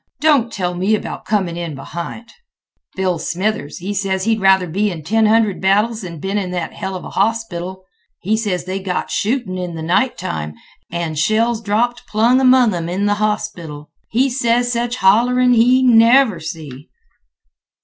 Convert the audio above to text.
Don't tell me about comin' in behint—" "Bill Smithers, he ses he'd rather been in ten hundred battles than been in that heluva hospital. He ses they got shootin' in th' nighttime, an' shells dropped plum among 'em in th' hospital. He ses sech hollerin' he never see."